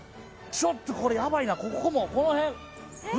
ちょっとこれやばいなここもこの辺ＶＨＳ！